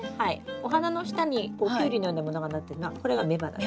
お花の下にキュウリのようなものがなってるのはこれが雌花です。